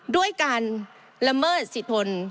ด้วยการละเมิดสิทธน